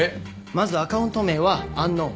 まずアカウント名は「Ｕｎｋｎｏｗｎ」。